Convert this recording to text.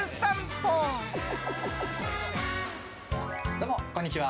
どうもこんにちは！